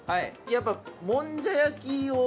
やっぱ。